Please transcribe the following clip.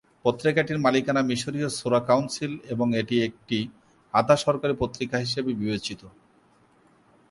পত্রিকাটির মালিকানা মিশরীয় শূরা কাউন্সিল এবং এটি একটি আধা-সরকারি পত্রিকা হিসাবে বিবেচিত।